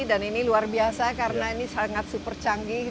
dan ini luar biasa karena ini sangat super canggih